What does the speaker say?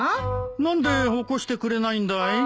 何で起こしてくれないんだい？